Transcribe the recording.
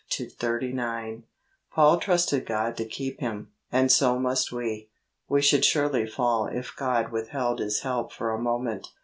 35 39) Paul trusted God to keep him, and so must we. We should surely fall if God withheld His help for a moment.